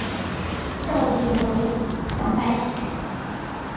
召集人为彭百显。